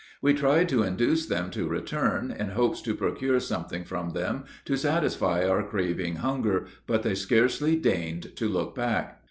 We tried to induce them to return, in hopes to procure something from them to satisfy our craving hunger, but they scarcely deigned to look back.